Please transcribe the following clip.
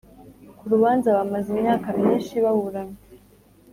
ku rubanza bamaze imyaka myinshi baburana.